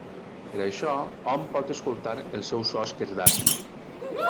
Per això hom pot escoltar el seu so esquerdat.